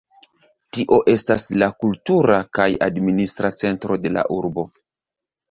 Tio estas la kultura kaj administra centro de la urbo.